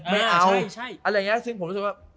ไม่เอาอะไรอย่างนี้ซึ่งผมรู้สึกว่า